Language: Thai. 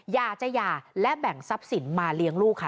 อย่าหย่าและแบ่งทรัพย์สินมาเลี้ยงลูกค่ะ